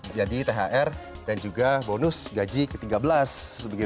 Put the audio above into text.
jadi thr dan juga bonus gaji ke tiga belas